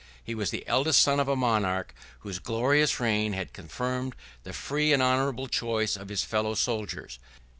He was the eldest son of a monarch whose glorious reign had confirmed the free and honorable choice of his fellow soldiers.